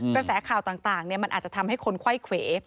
กระแสข่าวต่างมันอาจจะทำให้คนไข้เขว